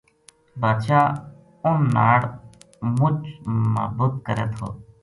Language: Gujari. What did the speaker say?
بادشاہ اُنھ ناڑ مچ محبت کرے تھو